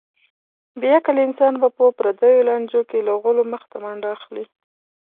بې عقل انسان به په پردیو لانجو کې له غولو مخته منډه اخلي.